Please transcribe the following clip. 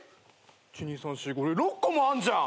１２３４５６個もあんじゃん！